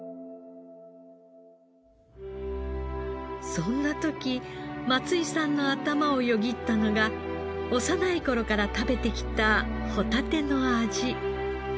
そんな時松井さんの頭をよぎったのが幼い頃から食べてきたホタテの味。